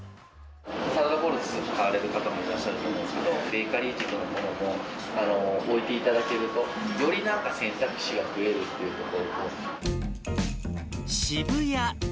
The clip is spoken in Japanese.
サラダボウル買われる方もいらっしゃると思うんですけど、ベーカリーのほうも置いていただけると、よりなんか選択肢が増えるっていうところと。